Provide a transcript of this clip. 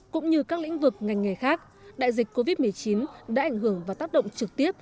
cũng như các lĩnh vực ngành nghề khác đại dịch covid một mươi chín đã ảnh hưởng và tác động trực tiếp